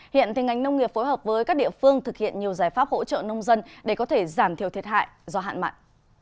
hiện ngành nông nghiệp phối hợp với các địa phương thực hiện nhiều giải pháp hỗ trợ nông dân để có thể giảm thiểu thiệt hại do hạn mặn